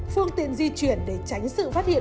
phương tiện di chuyển để tránh sự phát hiện